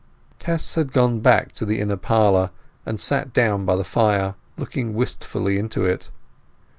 Tess had gone back to the inner parlour, and sat down by the fire, looking wistfully into it.